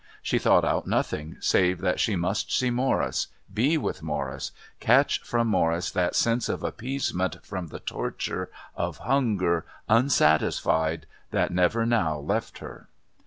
She thought out nothing save that she must see Morris, be with Morris, catch from Morris that sense of appeasement from the torture of hunger unsatisfied that never now left her.